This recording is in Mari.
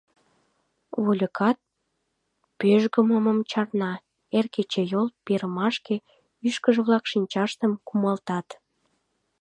Вольыкат пӧжгымым чарна, эр кечыйол перымешке, ӱшкыж-влак шинчаштым кумалтат.